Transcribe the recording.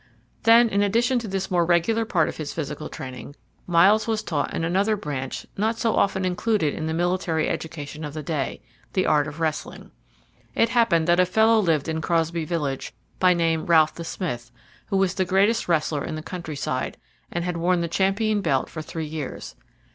Then, in addition to this more regular part of his physical training, Myles was taught in another branch not so often included in the military education of the day the art of wrestling. It happened that a fellow lived in Crosbey village, by name Ralph the Smith, who was the greatest wrestler in the country side, and had worn the champion belt for three years.